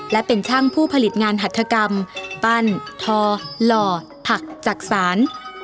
และเป็นช่างผู้ผลิตงานหัฐกรรมปั้นทอหล่อผักจักษาน